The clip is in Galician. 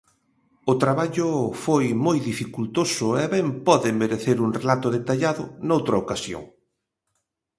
O traballo foi moi dificultoso e ben pode merecer un relato detallado noutra ocasión.